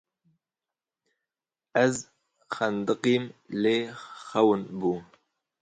Ez xendiqîm lê xewin bû